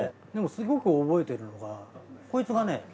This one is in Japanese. でもすごく覚えてるのがこいつがね